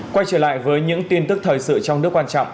quay trở lại với những tin tức thời sự trong nước quan trọng